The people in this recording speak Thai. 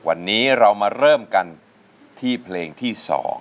วันนี้เรามาเริ่มกันที่เพลงที่๒